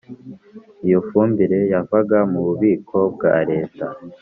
Iyo fumbire yavaga mu bubiko bwa reta